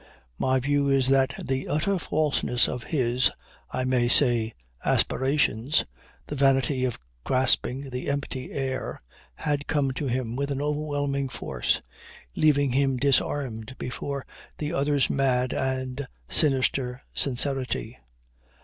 My view is that the utter falseness of his, I may say, aspirations, the vanity of grasping the empty air, had come to him with an overwhelming force, leaving him disarmed before the other's mad and sinister sincerity.